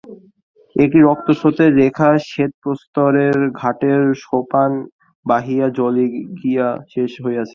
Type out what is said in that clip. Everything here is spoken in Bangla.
একটি রক্তস্রোতের রেখা শ্বেত প্রস্তরের ঘাটের সোপান বাহিয়া জলে গিয়া শেষ হইয়াছে।